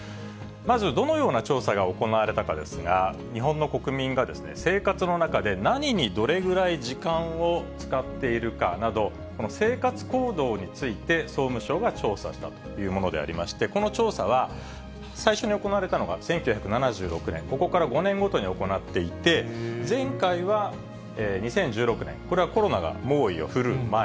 まずどのような調査が行われたかですが、日本の国民が生活の中で何にどれぐらい時間を使っているかなど、生活行動について総務省が調査したというものでありまして、この調査は、最初に行われたのが１９７６年、ここから５年ごとに行っていて、前回は２０１６年、これはコロナが猛威を振るう前。